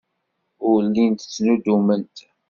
Ur llint ttnuddument.